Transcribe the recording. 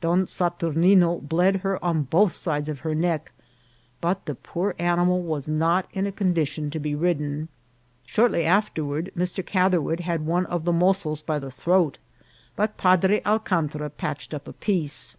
Don Saturnine bled her on both sides of her neck, but the poor animal was not in a condition to be ridden. Shortly afterward Mr. Catherwood had one of the mozos by the throat, but Padre Alcantra patched up a peace.